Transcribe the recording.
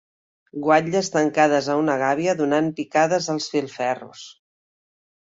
Guatlles tancades a una gàbia donant picades als filferros